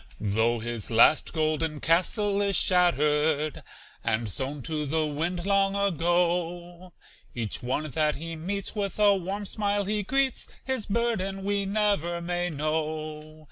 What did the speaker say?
Though his last golden castle is shattered And sown to the wind long ago, Each one that he meets with a warm smile he greets, His burden we never may know.